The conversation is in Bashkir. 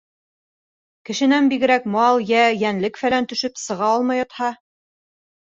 Кешенән бигерәк, мал йә йәнлек-фәлән төшөп сыға алмай ятһа.